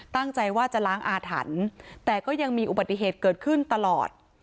ตั้งใจว่าจะล้างอาถรรพ์แต่ก็ยังมีอุบัติเหตุเกิดขึ้นตลอด